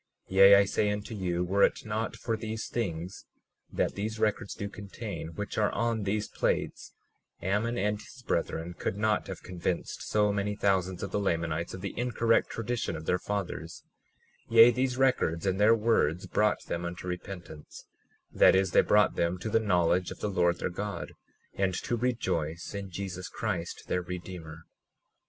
37:9 Yea, I say unto you, were it not for these things that these records do contain, which are on these plates, Ammon and his brethren could not have convinced so many thousands of the Lamanites of the incorrect tradition of their fathers; yea, these records and their words brought them unto repentance; that is, they brought them to the knowledge of the Lord their God, and to rejoice in Jesus Christ their Redeemer.